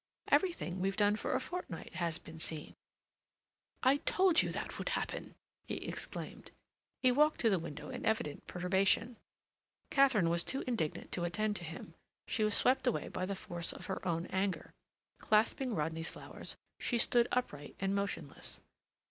"Everything we've done for a fortnight has been seen." "I told you that would happen!" he exclaimed. He walked to the window in evident perturbation. Katharine was too indignant to attend to him. She was swept away by the force of her own anger. Clasping Rodney's flowers, she stood upright and motionless.